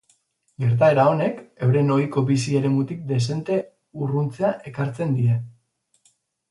Gertaera honek, euren ohiko bizi-eremutik dezente urruntzea ekartzen die.